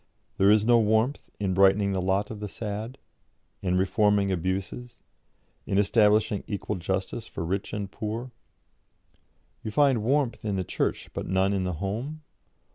There is no warmth in brightening the lot of the sad, in reforming abuses, in establishing equal justice for rich and poor? You find warmth in the church, but none in the home?